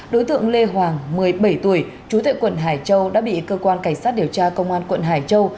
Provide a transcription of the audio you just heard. đối tượng lê hoàng một mươi bảy tuổi trú tại quận hải châu đã bị cơ quan cảnh sát điều tra công an quận hải châu